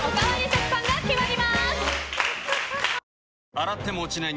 洗っても落ちない